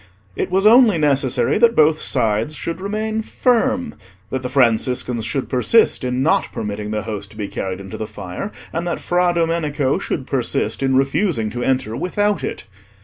It was only necessary that both sides should remain firm—that the Franciscans should persist in not permitting the Host to be carried into the fire, and that Fra Domenico should persist in refusing to enter without it.